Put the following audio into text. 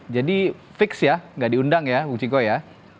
jadi fix ya nggak diundang ya bung ciko ya